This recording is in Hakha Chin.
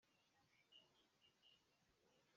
Na ca cungah pum pakhat in suai tuah.